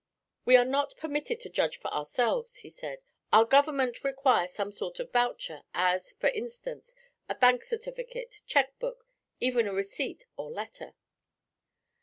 'We are not permitted to judge for ourselves,' he said; 'our Government require some sort of voucher, as, for instance, a bank certificate, cheque book, even a receipt or letter.'